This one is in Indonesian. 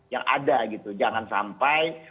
yang ada jangan sampai